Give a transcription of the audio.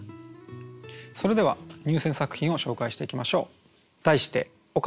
それでは入選作品を紹介していきましょう。